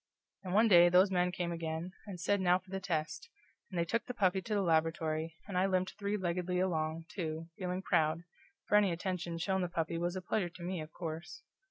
And one day those men came again, and said, now for the test, and they took the puppy to the laboratory, and I limped three leggedly along, too, feeling proud, for any attention shown to the puppy was a pleasure to me, of course.